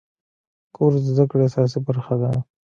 کورس د زده کړې اساسي برخه ده.